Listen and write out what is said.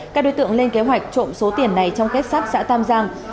các đối tượng lên kế hoạch trộm số tiền này trong kết sắt xã tam giang